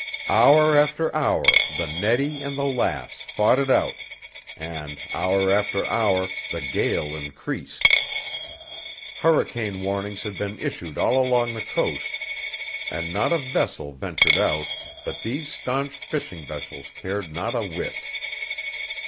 Hour after hour the Nettie and the Lass fought it out, and hour after hour the gale increased. Hurricane warnings had been issued all along the coast, and not a vessel ventured out, but these stanch fishing vessels cared not a whit.